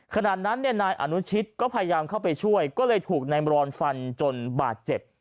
ขณะนั้นนายอนุชิตก็พยายามเข้าไปช่วยก็เลยถูกนายมรอนฟันจนบาดเจ็บ